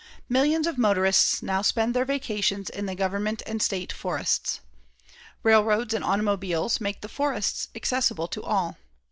Millions of motorists now spend their vacations in the government and state forests. Railroads and automobiles make the forests accessible to all.